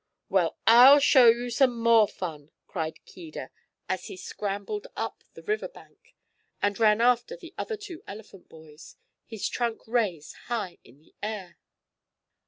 "Well, I'll show you some more fun!" cried Keedah, as he scrambled up the river bank, and ran after the other two elephant boys, his trunk raised high in the air.